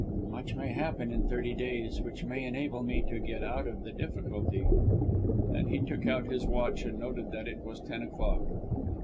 "Much may happen in thirty days which may enable me to get out of the difficulty." Then he took out his watch and noted that it was ten o'clock.